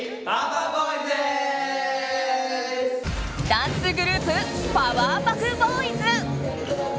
ダンスグループパワーパフボーイズ。